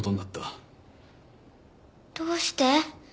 どうして？